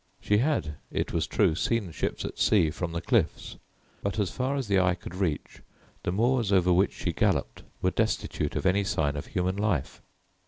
She had, it was true, seen ships at sea from the cliffs, but as far as the eye could reach the moors over which she galloped were destitute of any sign of human life.